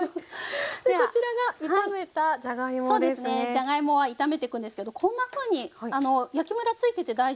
じゃがいもは炒めてくんですけどこんなふうに焼きムラついてて大丈夫です。